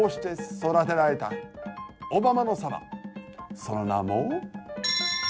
その名も。